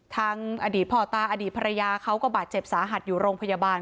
ทางอดีตพ่อตาอดีตภรรยาเขาก็บาดเจ็บสาหัสอยู่โรงพยาบาล